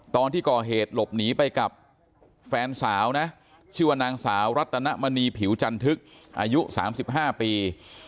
ตอนที่ก่อเหตุหลบหนีไปกับแฟนสาวนะชื่อว่านางสาวรัตนมณีผิวจันทึกอายุ๓๕ปี